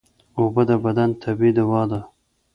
اوبه د بدن طبیعي دوا ده